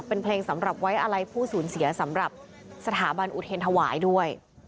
เป็นเพลงสำหรับไว้อะไรผู้สูญเสียสำหรับสถาบันอุเทรนธวายด้วย